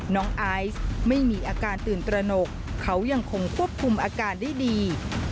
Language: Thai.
น้องไอซ์ไม่มีอาการตื่นตระหนกเขายังคงควบคุมอาการได้ดี